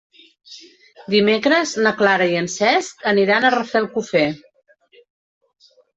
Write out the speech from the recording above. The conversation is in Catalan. Dimecres na Clara i en Cesc aniran a Rafelcofer.